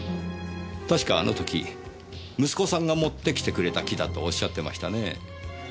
確かあの時息子さんが持ってきてくれた木だとおっしゃってましたねぇ。